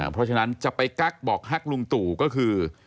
เพราะฉะนั้นจะไปกั๊กบอกฮักลุงตู่ก็คือ